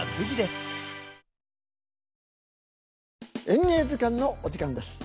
「演芸図鑑」のお時間です。